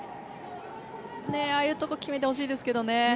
ああいうところ決めてほしいですけどね。